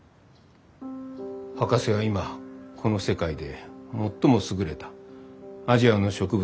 博士は今この世界で最も優れたアジアの植物の専門家だ。